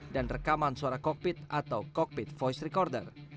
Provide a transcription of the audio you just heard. dan juga rekaman suara kokpit atau kokpit voice recorder